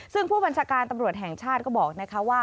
ซึ่งผู้บัญชาการตำรวจแห่งชาติก็บอกนะคะว่า